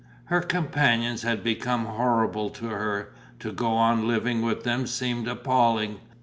Her companions had become horrible to her. To go on living with them seemed appalling.